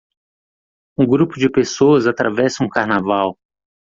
Um grupo de pessoas atravessa um carnaval.